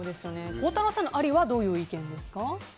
孝太郎さんのありはどういう意見ですか？